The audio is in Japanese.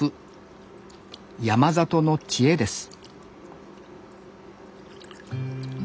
山里の知恵です